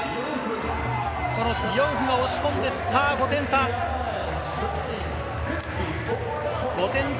ディオウフが押し込んで５点差。